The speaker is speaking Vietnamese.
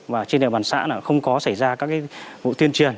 và trên địa bàn xã không có xảy ra các vụ thiên triền